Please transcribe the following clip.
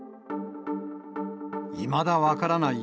いまだ分からない